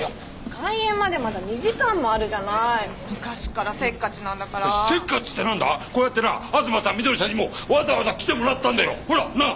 開演までまだ２時間もあるじゃない昔っからせっかちなんだからせっかちって何だこうやってな東さん・みどりさんにもわざわざ来てもらったんだよほらなぁ！